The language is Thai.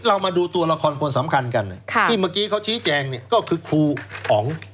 เรามาดูตัวละครคนสำคัญกันที่เมื่อกี้เขาชี้แจงเนี่ยก็คือครูอ๋อง